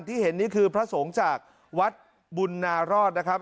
เห็นนี่คือพระสงฆ์จากวัดบุญนารอดนะครับ